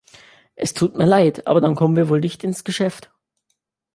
Es tut mir leid, aber dann kommen wir wohl nicht ins Geschäft.